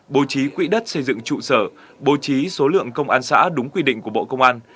bố trí quỹ đất xây dựng trụ sở bố trí số lượng công an xã đúng quy định của bộ công an